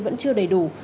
vẫn chưa đầy đủ